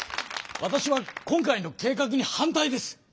わたしは今回の計画に反対です！